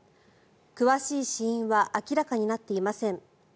詳しい死因は明らかになっていません。